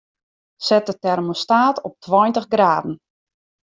Set de termostaat op tweintich graden.